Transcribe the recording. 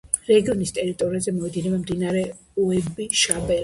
რეგიონის ტერიტორიაზე მოედინება მდინარე უები-შაბელე.